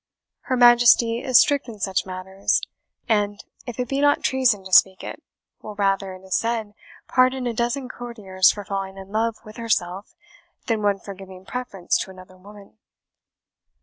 Her Majesty is strict in such matters, and (if it be not treason to speak it) will rather, it is said, pardon a dozen courtiers for falling in love with herself, than one for giving preference to another woman.